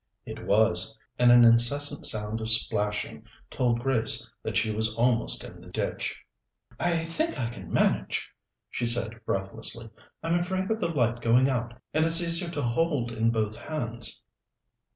It was, and an incessant sound of splashing told Grace that she was almost in the ditch. "I think I can manage," she said breathlessly. "I'm afraid of the light going out, and it's easier to hold in both hands."